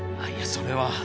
いやそれは。